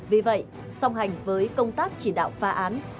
vì vậy song hành với công tác chỉ đạo phá án